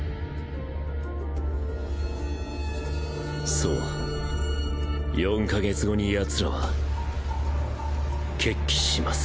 そう４か月後にヤツらは決起します